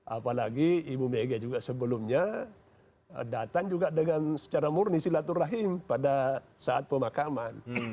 apalagi ibu mega juga sebelumnya datang juga dengan secara murni silaturahim pada saat pemakaman